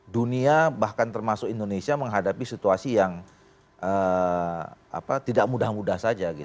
dunia bahkan termasuk indonesia menghadapi situasi yang tidak mudah mudah saja